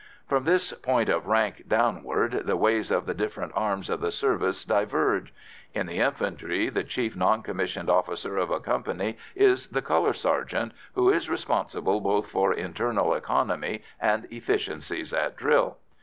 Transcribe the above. From this point of rank downward the ways of the different arms of the service diverge. In the infantry, the chief non commissioned officer of a company is the colour sergeant, who is responsible both for internal economy and efficiency at drill.